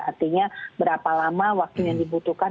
artinya berapa lama waktunya dibutuhkan